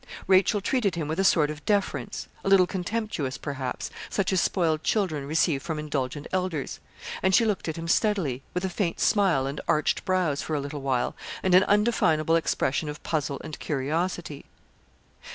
Rachel treated him with a sort of deference, a little contemptuous perhaps, such as spoiled children receive from indulgent elders; and she looked at him steadily, with a faint smile and arched brows, for a little while, and an undefinable expression of puzzle and curiosity.